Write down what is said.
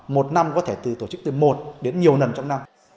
một năm có thể từ tổ chức từ một đến nhiều lần trong năm